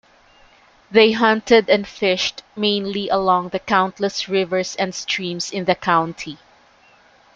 They hunted and fished mainly along the countless rivers and streams in the county.